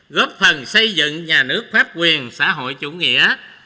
góp phần xây dựng nhà nước pháp quyền xã hội chủ nghĩa